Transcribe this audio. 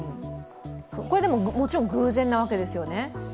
これもちろん偶然なわけですよね。